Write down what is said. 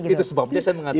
itu sebabnya saya mengatakan